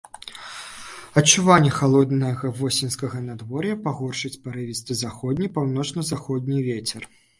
Адчуванне халоднага восеньскага надвор'я пагоршыць парывісты заходні, паўночна-заходні вецер.